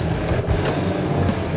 gak ada yang mau ngomong